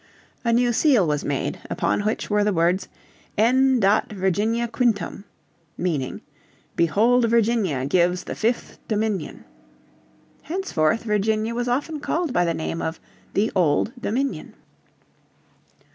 A new seal was made upon which were the words "En dat Virginia quintum" meaning "Behold Virginia gives the fifth (dominion)." Henceforth Virginia was often called by the name of the "Old Dominion."